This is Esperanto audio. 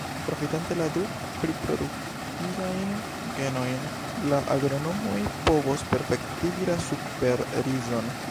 Profitante la du pliproduktigajn genojn, la agronomoj povos perfektigi la superrizon.